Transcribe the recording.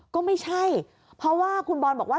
ก็ไม่ใช่เพราะว่าคุณบอลบอกว่า